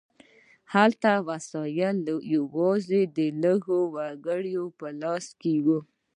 هلته وسایل یوازې د لږو وګړو په لاس کې وي.